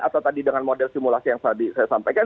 atau tadi dengan model simulasi yang tadi saya sampaikan